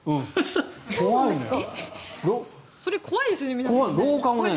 それ、怖いですよね皆さん。